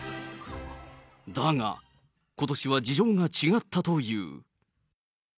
だが、ことしは事情が違ったという。